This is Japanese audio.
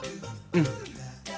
うん。